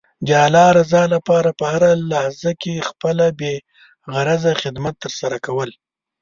د الله رضا لپاره په هره لحظه کې خپله بې غرضه خدمت ترسره کول.